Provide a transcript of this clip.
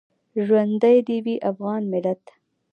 ژوندی دې وي افغان ملت